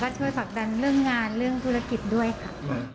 และช่วยฝากดังเรื่องงานและเรื่องธุรกิจด้วยค่ะ